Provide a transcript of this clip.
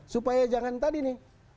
supaya jangan tadi nih